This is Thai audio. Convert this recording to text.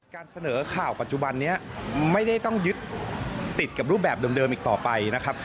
การเสนอข่าวปัจจุบันนี้ไม่ได้ต้องยึดติดกับรูปแบบเดิมอีกต่อไปนะครับ